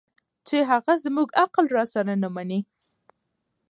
چې هغه زموږ عقل راسره نه مني